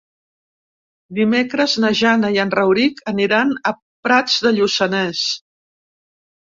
Dimecres na Jana i en Rauric aniran a Prats de Lluçanès.